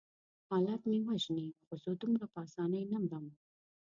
حالات مې وژني خو زه دومره په آسانۍ نه مرم.